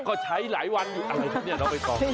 ก็ใช้หลายวันอยู่อะไรแบบนี้น้องไปต่อ